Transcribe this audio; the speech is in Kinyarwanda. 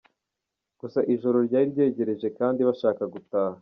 Gusa ijoro ryari ryegereje kandi bashaka gutaha.